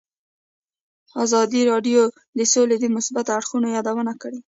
ازادي راډیو د سوله د مثبتو اړخونو یادونه کړې.